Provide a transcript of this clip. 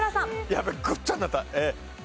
やばいごっちゃになった。